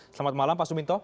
selamat malam pak suminto